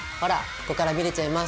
ここから見れちゃいます。